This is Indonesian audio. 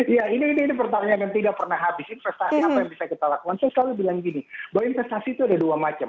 ya ini pertanyaan yang tidak pernah habis investasi apa yang bisa kita lakukan saya selalu bilang gini bahwa investasi itu ada dua macam